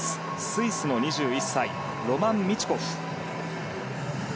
スイス、２１歳ロマン・ミチュコフ。